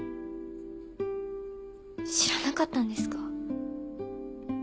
知らなかったんですか？